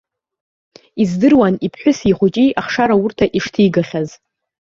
Издыруан иԥҳәыси ихәыҷи ахшараурҭа ишҭигахьаз.